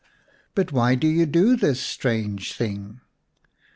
" But why do you do this strange thing